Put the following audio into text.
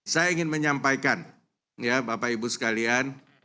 saya ingin menyampaikan ya bapak ibu sekalian